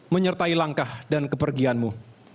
menyertai langkah dan kepergianmu